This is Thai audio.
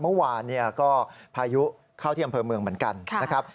เมื่อวานก็พายุเข้าที่อำเภอเมืองเหมือนกันนะครับ